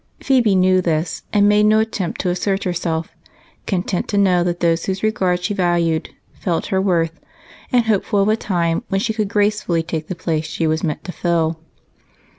Phebe knew this and made no attempt to assert herself, content to know that those whose regard she valued felt her worth and hopeful of a time when she could gracefully take the place she was meant to fill.